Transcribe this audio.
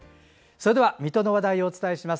それでは、水戸の話題をお伝えします。